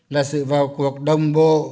là sự vào cuộc đồng bộ